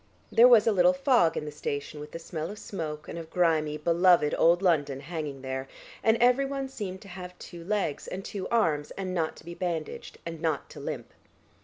There was a little fog in the station with the smell of smoke and of grimy, beloved old London hanging there, and everyone seemed to have two legs and two arms and not to be bandaged and not to limp.